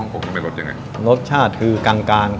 ลดมีรสชาติใหนกลาง